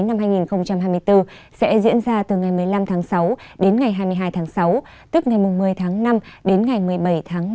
năm hai nghìn hai mươi bốn sẽ diễn ra từ ngày một mươi năm tháng sáu đến ngày hai mươi hai tháng sáu tức ngày một mươi tháng năm đến ngày một mươi bảy tháng năm